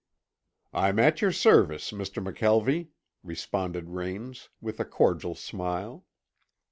"I'm at your service, Mr. McKelvie," responded Raines, with a cordial smile.